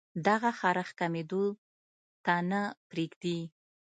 دغه خارښ کمېدو ته نۀ پرېږدي